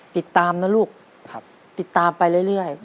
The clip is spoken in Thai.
ติดตามนะลูกติดตามไปเรื่อย